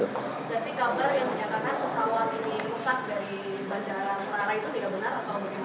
berarti kabar yang menyatakan pesawat ini rusak dari bandara muara itu tidak benar atau bagaimana